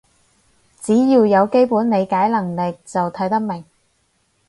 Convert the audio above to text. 只要有基本理解能力就睇得明